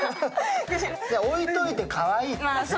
置いておいてかわいい。